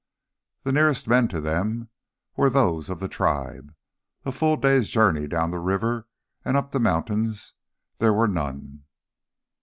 The nearest men to them were those of the tribe, a full day's journey down the river, and up the mountains there were none.